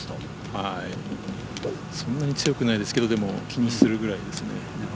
そんなに強くないですけど気にするぐらいですね。